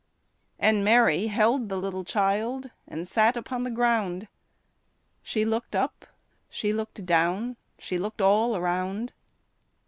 And Mary held the little child And sat upon the ground; She looked up, she looked down, She looked all around.